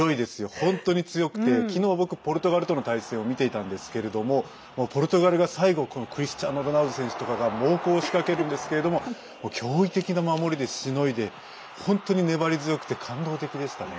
本当に強くて昨日、僕、ポルトガルとの対戦を見ていたんですけれどもポルトガルが最後クリスチアーノ・ロナウド選手とかが猛攻を仕掛けるんですけれども驚異的な守りでしのいで本当に粘り強くて感動的でしたね。